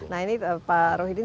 nah ini pak rohi di sini